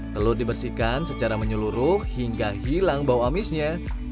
telur dibersihkan secara menyeluruh hingga hilang bau amisnya